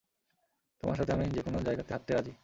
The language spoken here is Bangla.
তোমার সাথে আমি যেকোন জায়গাতে হাঁটতে রাজি।